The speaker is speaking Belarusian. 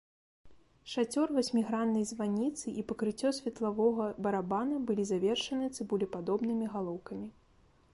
Шацёр васьміграннай званіцы і пакрыццё светлавога барабана былі завершаны цыбулепадобнымі галоўкамі.